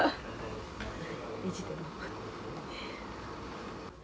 意地でも。